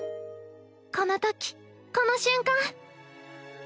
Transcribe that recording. このときこの瞬間。